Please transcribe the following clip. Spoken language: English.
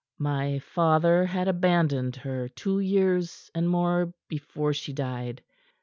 My father had abandoned her two years and more before she died.